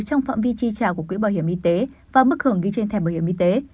trong phạm vi chi trả của quỹ bảo hiểm y tế và mức hưởng ghi trên thẻ bảo hiểm y tế